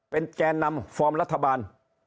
เป็นแก่นำฟอร์มรัฐบาล